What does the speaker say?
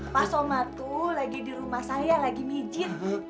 pak somad tuh lagi di rumah saya lagi mijin